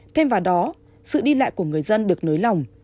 thêm vào đó sự đi lại của người dân được nới lỏng